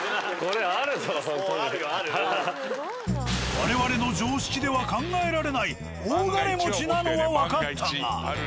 我々の常識では考えられない大金持ちなのはわかったが。